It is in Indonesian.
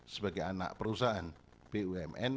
sebagai anak perusahaan bumn